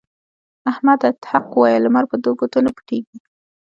احمده! حق وايه؛ لمر په دوو ګوتو نه پټېږي.